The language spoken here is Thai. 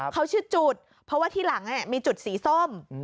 เขาชื่อจุดเพราะว่าที่หลังมีจุดสีส้ม